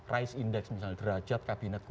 rice index misalnya derajat kabinet